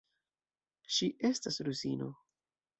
Ŝi estas rusino.